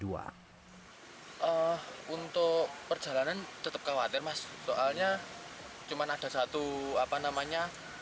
untuk perjalanan tetap khawatir mas soalnya cuma ada satu apa namanya